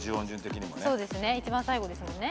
そうですね一番最後ですもんね。